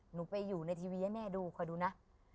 หนูไปอยู่ในทีวีให้แม่ดูคอยดูนะ